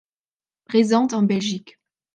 Présente en Belgique.